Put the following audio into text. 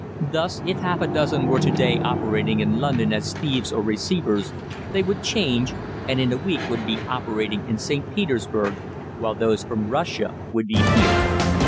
Thus, if half a dozen were to day operating in London as thieves or receivers, they would change, and in a week would be operating in St. Petersburg, while those from Russia would be here.